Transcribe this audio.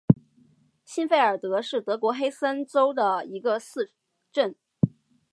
欣费尔德是德国黑森州的一个市镇。